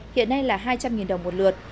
hiện nay là hai trăm linh đồng một lửa